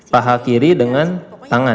paha kiri dengan tangan